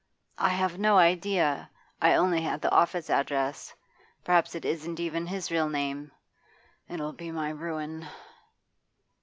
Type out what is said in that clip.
'I have no idea. I only had the office address. Perhaps it isn't even his real name. It'll be my ruin.